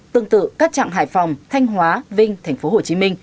tương tự các trạng hải phòng thanh hóa vinh tp hcm